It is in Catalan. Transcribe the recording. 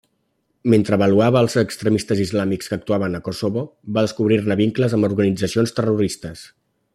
Mentre avaluava els extremistes islàmics que actuaven a Kosovo, va descobrir-ne vincles amb organitzacions terroristes.